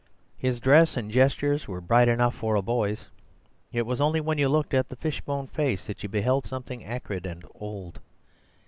His dress and gestures were bright enough for a boy's; it was only when you looked at the fish bone face that you beheld something acrid and old.